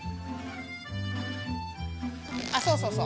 あっそうそうそう！